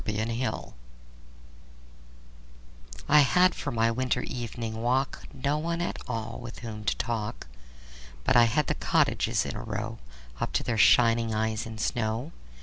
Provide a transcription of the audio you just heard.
Good Hours I HAD for my winter evening walk No one at all with whom to talk, But I had the cottages in a row Up to their shining eyes in snow.